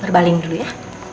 berbaling dulu ya